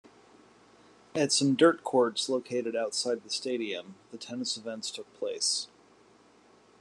At some dirt courts located outside the stadium, the tennis events took place.